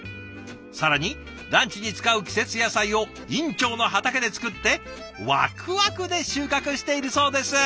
更にランチに使う季節野菜を院長の畑で作ってわくわくで収穫しているそうです。